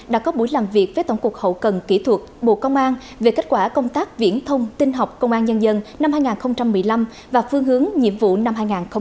đã có buổi làm việc với tổng cục hậu cần kỹ thuật bộ công an về kết quả công tác viễn thông tin học công an nhân dân năm hai nghìn một mươi năm và phương hướng nhiệm vụ năm hai nghìn hai mươi